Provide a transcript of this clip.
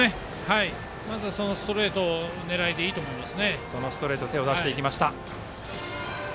まずそのストレート狙いでいいと思います。